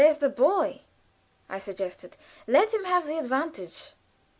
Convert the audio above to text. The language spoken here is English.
] "But there's the boy," I suggested. "Let him have the advantage."